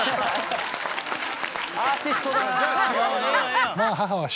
アーティストだな。